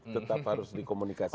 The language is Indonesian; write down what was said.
tetap harus dikomunikasi